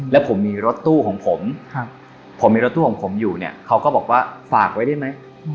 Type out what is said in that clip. แล้วผมมีรถตู้ของผมผมมีรถตู้ของผมอยู่เนี่ยเขาก็บอกว่าฝากไว้ได้ไหม